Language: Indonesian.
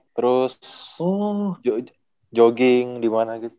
terus jogging di mana gitu